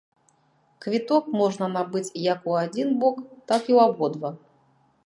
Квіток можна набыць як у адзін бок, так і ў абодва.